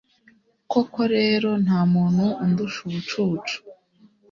koko rero, nta muntu undusha ubucucu